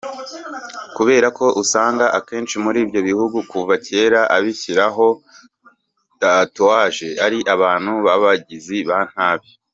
kubera ko usanga akenshi muri ibyo bihugu kuva kera abishyiragaho tatouage ari abantu b’abagizi ba nabi